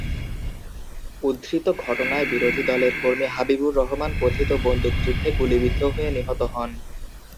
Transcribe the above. উদ্ধৃত ঘটনায় বিরোধী দলের কর্মী হাবিবুর রহমান কথিত বন্দুক যুদ্ধে গুলিবিদ্ধ হয়ে নিহত হন।